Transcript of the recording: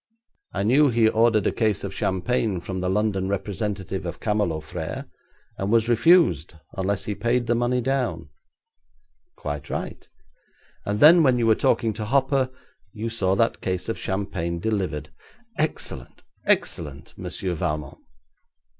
'I knew he ordered a case of champagne from the London representative of Camelot Frères, and was refused unless he paid the money down.' 'Quite right, and then when you were talking to Hopper you saw that case of champagne delivered. Excellent! excellent! Monsieur Valmont.